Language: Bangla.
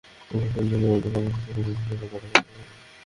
ধারণা করা হচ্ছে, এভাবে চললে চলতি বছরে চুরির নতুন রেকর্ড হবে এই প্ল্যাটফর্মে।